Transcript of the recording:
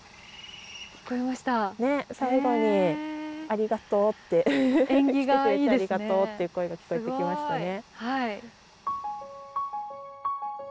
ありがとうって来てくれてありがとうっていう声が聞こえてきましたね。